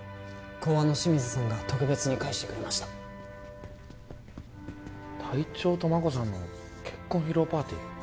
公安の清水さんが特別に返してくれました隊長と真子さんの結婚披露パーティー？